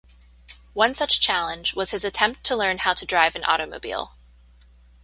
One such challenge was his attempt to learn how to drive an automobile.